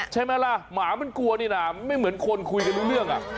ใช่ไหมล่ะหมามันกลัวนี่นะไม่เหมือนคนคุยกันรู้เรื่องอ่ะ